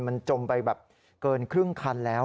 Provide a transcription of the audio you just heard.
มันจมไปแบบเกินครึ่งคันแล้ว